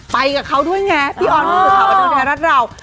ไปกับเขาด้วยไงพี่อ๋อนภูมิถามบันเทิงไทยรัฐเรา